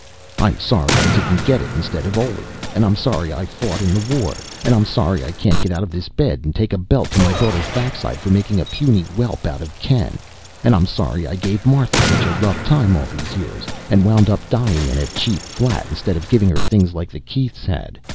I'm sorry I didn't get it instead of Oley, and I'm sorry I fought in the war, and I'm sorry I can't get out of this bed and take a belt to my daughter's backside for making a puny whelp out of Ken, and I'm sorry I gave Martha such a rough time all these years and wound up dying in a cheap flat, instead of giving her things like the Keiths had.